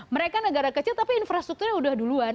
mereka negara kecil tapi infrastrukturnya udah duluan